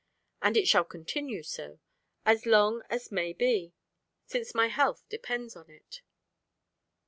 and it shall continue so, as long as may be, since my health depends on it.